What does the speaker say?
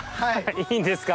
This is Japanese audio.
いいんですか？